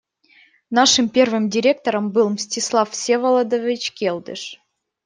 Нашим первым директором был Мстислав Всеволодович Келдыш.